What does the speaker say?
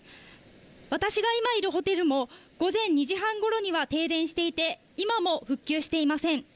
私が今いるホテルも午前２時半ごろには停電していて、今も復旧していません。